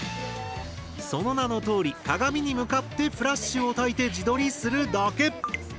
その名のとおり鏡に向かってフラッシュをたいて自撮りするだけ！